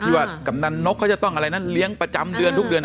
หรือว่ากำนานนกก็จะต้องอะไรนั่นเลี้ยงประจำเดือนทุกเดือนอ่า